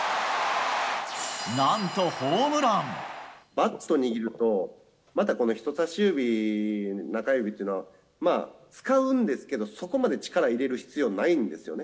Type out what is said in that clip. バット握ると、また、この人さし指、中指っていうのは使うんですけど、そこまで力入れる必要ないんですよね。